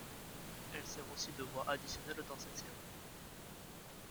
Elle sert aussi de voix additionnelle dans cette série.